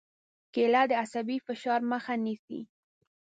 کېله د عصبي فشار مخه نیسي.